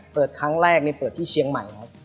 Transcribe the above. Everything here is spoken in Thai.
เปิดครั้งแรกเปิดที่เชียงใหม่ครับ